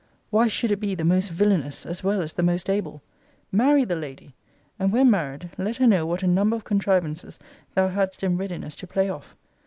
Why should it be the most villainous, as well as the most able? Marry the lady; and, when married, let her know what a number of contrivances thou hadst in readiness to play off.